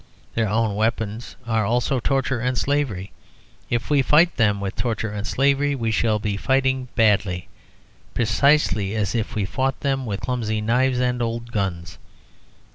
Their own weapons are also torture and slavery. If we fight them with torture and slavery, we shall be fighting badly, precisely as if we fought them with clumsy knives and old guns.